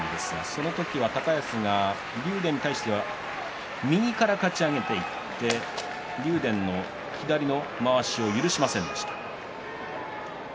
その時は高安が竜電に対しては右からかち上げていって竜電の左のまわしを許しませんでした。